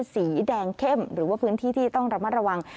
สีแดงเข้มหรือว่าพื้นที่ที่ต้องระมัดระวัง